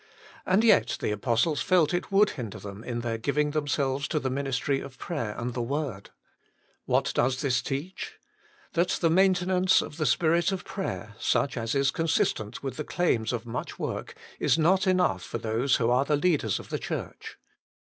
And yet the apostles felt it would hinder them in their giving themselves to the ministry of prayer and the word 24 THE MINISTRY OF INTERCESSION What does this teach ? That the maintenance of the spirit of prayer, such as is consistent with the claims of much work, is not enough for those who are the leaders of the Church.